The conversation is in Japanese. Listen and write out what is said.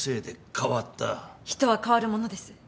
人は変わるものです。